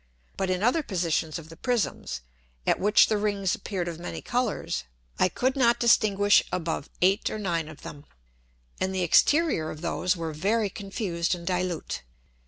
But in other Positions of the Prisms, at which the Rings appeared of many Colours, I could not distinguish above eight or nine of them, and the Exterior of those were very confused and dilute.